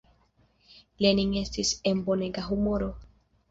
Lenin estis en bonega humoro.